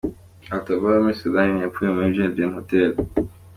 Atlabara yo muri Sudani y’Epfo iri muri Legend Hotel.